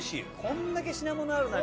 こんだけ品物ある中で。